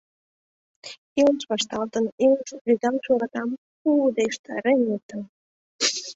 Илыш вашталтын, илыш рӱдаҥше оратам пудештарен лектын.